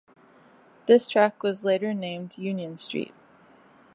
This track was later named Union Street.